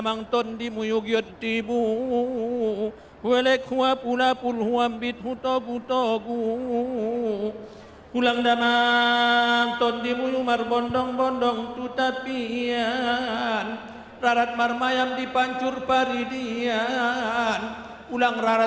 tentang prosesi ini saya ingin mengucapkan kepada anda